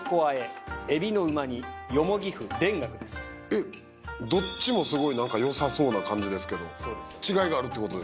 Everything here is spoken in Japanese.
えっどっちもすごいなんかよさそうな感じですけど違いがあるってことですよね。